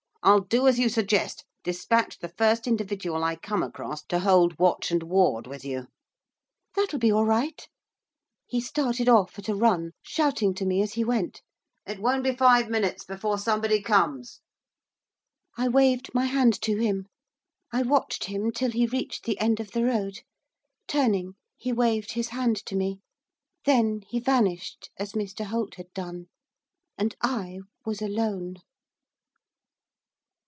I'll do as you suggest dispatch the first individual I come across to hold watch and ward with you.' 'That'll be all right.' He started off at a run, shouting to me as he went. 'It won't be five minutes before somebody comes!' I waved my hand to him. I watched him till he reached the end of the road. Turning, he waved his hand to me. Then he vanished, as Mr Holt had done. And I was alone.